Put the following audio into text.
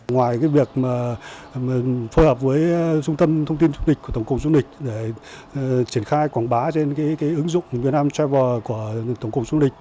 ngoài việc phối hợp với trung tâm thông tin du lịch của tổng cụng du lịch để triển khai quảng bá trên ứng dụng vietnam travel của tổng cụng du lịch